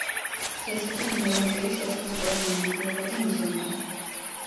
დღეისათვის ნიდერლანდების ერთ-ერთი ყველაზე მონახულებადი მუზეუმია.